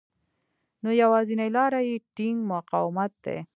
نو يوازېنۍ لاره يې ټينګ مقاومت دی.